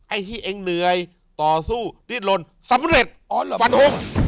ไอ้ที่เองเหนื่อยต่อสู้ดิดลนสำเร็จฟันทง